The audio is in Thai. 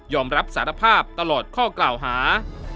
รับสารภาพตลอดข้อกล่าวหา